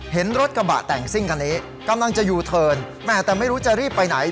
เห็นรถกระบะแต่งซิ่งคันนี้กำลังจะยูเทิร์นแม่แต่ไม่รู้จะรีบไปไหน